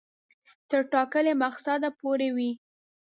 تر ټاکلي مقصده پوري وي.